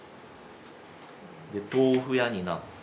で豆腐屋になって。